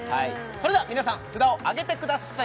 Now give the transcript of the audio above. それでは皆さん札をあげてください